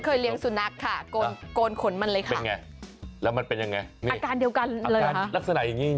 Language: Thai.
ค่ะเออสุนัขหน่อยเอาก็ดูแลกันให้ดีแล้วกันนะ